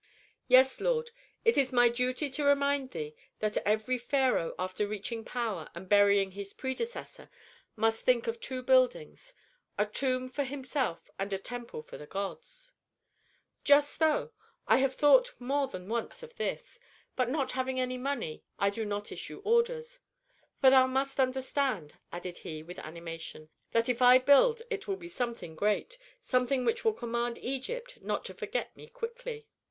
"Yes, lord. It is my duty to remind thee that every pharaoh after reaching power and burying his predecessor must think of two buildings: a tomb for himself and a temple for the gods." "Just so! I have thought more than once of this, but not having money I do not issue orders. For thou must understand," added he with animation, "that if I build it will be something great, something which will command Egypt not to forget me quickly."